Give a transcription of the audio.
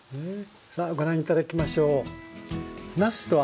さあご覧頂きましょう。